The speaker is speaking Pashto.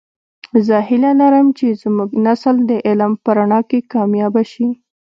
زه هیله لرم چې زمونږنسل د علم په رڼا کې کامیابه شي